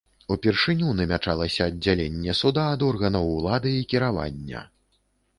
Упершыню намячалася аддзяленне суда ад органаў улады і кіравання.